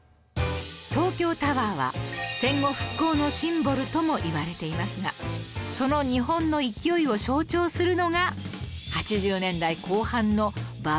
東京タワーは戦後復興のシンボルともいわれていますがその日本の勢いを象徴するのが